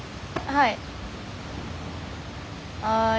はい。